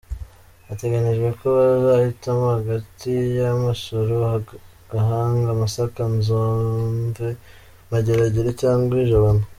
Hateganijwe ko bazahitamo hagati ya Masoro, Gahanga, Masaka, Nzove, Mageragere cyangwa i Jabana.